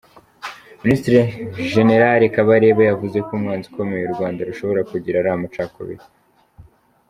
Minisitiri Jenerali Kabarebe yavuze ko umwanzi ukomeye u Rwanda rushobora kugira ari amacakubiri .